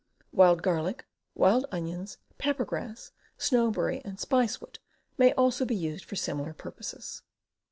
Wild garlic, wild onions, peppergrass, snowberry and spicewood may also be used for similar purposes.